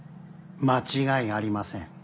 間違いありません。